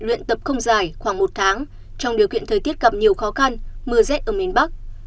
luyện tập không dài khoảng một tháng trong điều kiện thời tiết gặp nhiều khó khăn mưa rét ở miền bắc